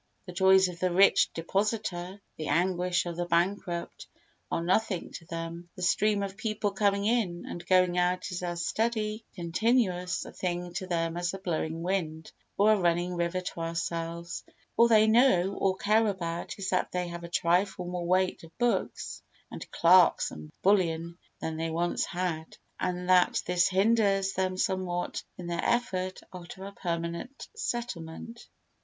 The joys of the rich depositor, the anguish of the bankrupt are nothing to them; the stream of people coming in and going out is as steady, continuous a thing to them as a blowing wind or a running river to ourselves; all they know or care about is that they have a trifle more weight of books and clerks and bullion than they once had, and that this hinders them somewhat in their effort after a permanent settlement.